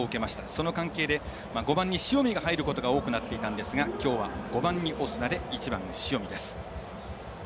その関係で５番に塩見が入ることが多くなっていたんですがきょうは５番にオスナで１番、塩見です。